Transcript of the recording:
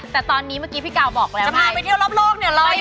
แต่ตอนนี้เมื่อกี้พี่กาวบอกแล้วจะพาไปเที่ยวรอบโลกเนี่ยรออยู่